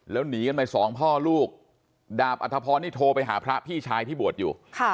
แล้วหนีกันไปสองพ่อลูกดาบอัธพรนี่โทรไปหาพระพี่ชายที่บวชอยู่